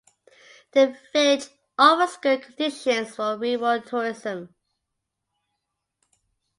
The village offers good conditions for rural tourism.